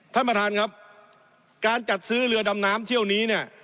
ท่านประธานครับการจัดซื้อเรือดำน้ำเที่ยวนี้เนี่ย